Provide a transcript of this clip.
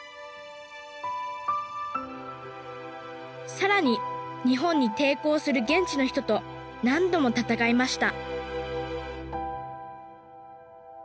更に日本に抵抗する現地の人と何度も戦いました